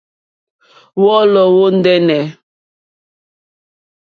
Wɔ̌lɔ̀ wɔ̀ ndɛ́nɛ̀.